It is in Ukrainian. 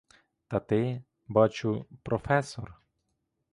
Та ти, бачу, професор.